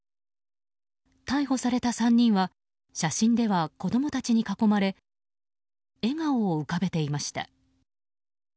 逮捕された３人は写真では子供たちに囲まれ笑顔を浮かべていました。